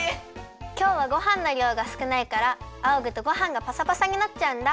きょうはごはんのりょうがすくないからあおぐとごはんがパサパサになっちゃうんだ。